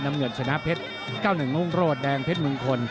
น้ำเงินชนะเพชร๙๑รุ่งโรดแดงเพชรมงคล